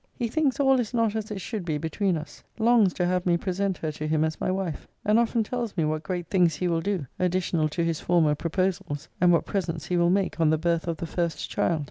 He thinks all is not as it should be between us; longs to have me present her to him as my wife; and often tells me what great things he will do, additional to his former proposals; and what presents he will make on the birth of the first child.